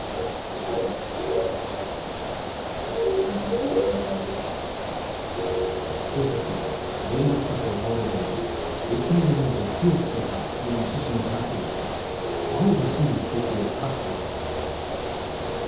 手を伸ばしたら、警察は、現場近くで倒れ込み、液体をまいて火をつけたという趣旨の話をした青葉真司被告を確保。